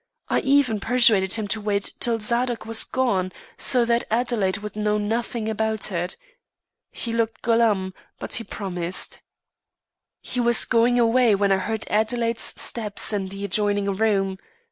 I even persuaded him to wait till Zadok was gone, so that Adelaide would know nothing about it. He looked glum, but he promised. "He was going away when I heard Adelaide's steps in the adjoining room.